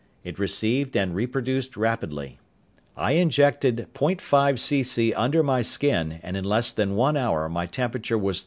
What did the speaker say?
It received and reproduced rapidly. I injected .5 cc. under my skin and in less than one hour my temperature was 30.